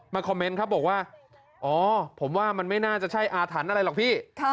คอมเมนต์ครับบอกว่าอ๋อผมว่ามันไม่น่าจะใช่อาถรรพ์อะไรหรอกพี่